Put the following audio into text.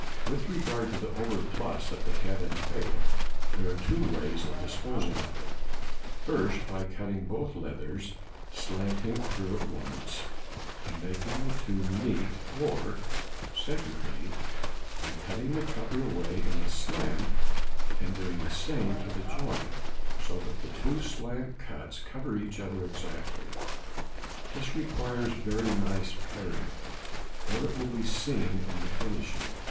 With regard to the overplus at the head and tail, there are two ways of disposing of it: first, by cutting both leathers slanting through at once, and making the two |99| meet; or, secondly, by cutting the cover away in a slant and doing the same to the joint, so that the two slant cuts cover each other exactly. This requires very nice paring, or it will be seen in the finishing.